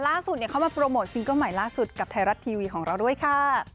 ล่าสุดเข้ามาโปรโมทซิงเคิลใหม่ล่าสุดกับไทรัตส์ทีวีจีนของเราด้วยค่ะ